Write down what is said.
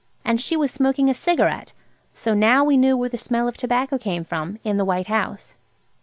And she was smoking a cigarette. So now we knew where the smell of tobacco came from, in the White House.